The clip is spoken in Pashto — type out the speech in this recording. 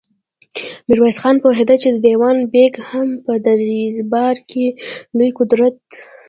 ميرويس خان پوهېده چې دېوان بېګ هم په دربار کې لوی قدرت لري.